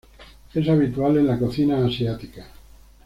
Es habitual en la cocina asiática.